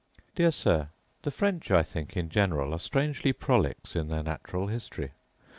Dear Sir, The French, I think, in general, are strangely prolix in their natural history.